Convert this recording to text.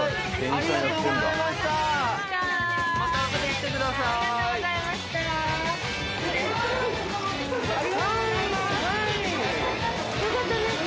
ありがとうございます。